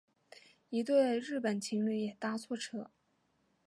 一对日本情侣也搭错车